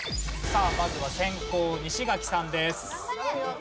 まずは先攻西垣さんです。